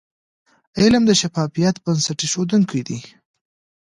علم د شفافیت بنسټ ایښودونکی د.